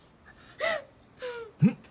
うん！